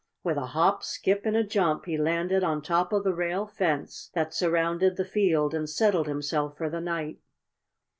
With a hop, skip and a jump he landed on top of the rail fence that surrounded the field and settled himself for the night.